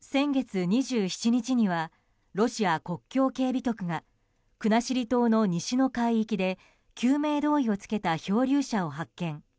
先月２７日にはロシア国境警備局が国後島の西の海域で救命胴衣を着けた漂流者を発見。